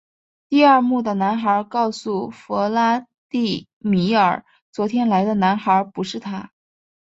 第二幕的男孩告诉弗拉第米尔昨天来的男孩不是他。